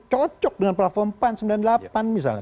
cocok dengan platform pan sembilan puluh delapan misalnya